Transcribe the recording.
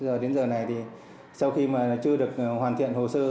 giờ đến giờ này thì sau khi mà chưa được hoàn thiện hồ sơ